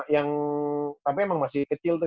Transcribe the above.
yang tapi emang masih kecil tuh